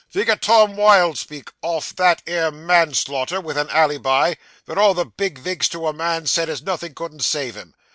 Ve got Tom Vildspark off that 'ere manslaughter, with a alleybi, ven all the big vigs to a man said as nothing couldn't save him.